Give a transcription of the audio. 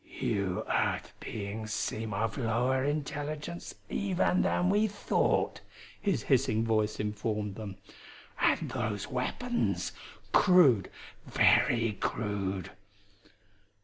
"You Earth beings seem of lower intelligence even than we thought," his hissing voice informed them. "And those weapons crude, very crude."